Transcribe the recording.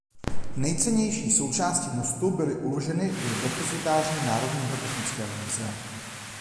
Nejcennější součásti mostu byly uloženy do depozitáře Národního technického muzea.